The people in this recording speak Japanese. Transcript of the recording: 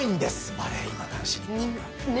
バレー男子日本。